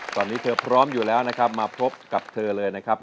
ตอนนี้เธอพร้อมอยู่แล้วนะครับมาพบกับเธอเลยนะครับ